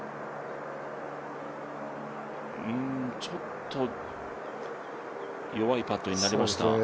ちょっと弱いパットになりました。